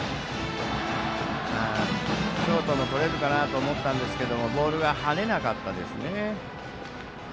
ショートもとれるかなと思ったんですがボールが跳ねなかったですね。